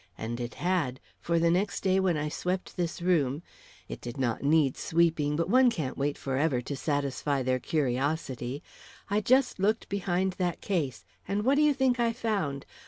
And it had; for next day when I swept this room it did not need sweeping, but one can't wait for ever to satisfy their curiosity I just looked behind that case, and what do you think I found?